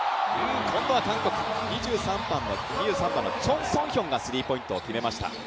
今度は韓国、２３番のチョン・ソンヒョンがスリーポイントを決めました。